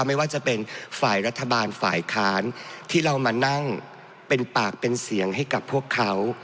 ไม่ว่าจะเป็นฝ่ายรัฐบาลฝ่ายค้านที่เรามานั่งเป็นปากเป็นเสียงให้กับพวกเขา